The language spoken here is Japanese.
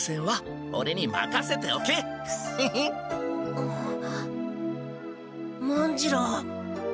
あっ文次郎。